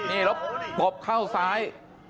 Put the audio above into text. นี่แล้วตบเข้าซ้าย